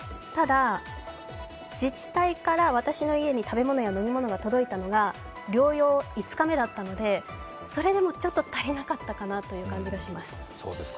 ただ、自治体から私の家に食べ物や飲み物が届いたのが療養５日目だったので、それでもちょっと足りなかったかなという感じがします。